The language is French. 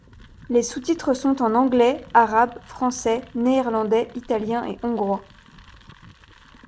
Les sous-titres sont en anglais, arabes, français, néerlandais, italiens et hongrois.